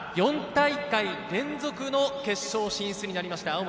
４大会連続の決勝進出になりました